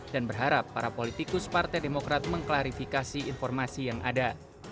dan berharap para politikus partai demokrat mengklarifikasi informasi yang ada